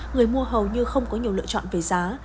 người mua hầu như không có nhiều lựa chọn về giá